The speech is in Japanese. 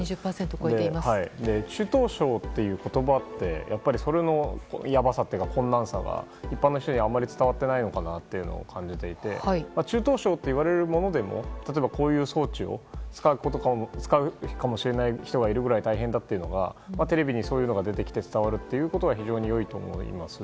中等症という言葉ってそれのやばさというか困難さが一般の人にあまり伝わっていないのかなと感じていて中等症といわれるものでも例えばこういう装置を使うかもしれない人がいるかもしれないくらい大変だというのはテレビにそういうのが出てきて伝わるということは非常にいいと思います。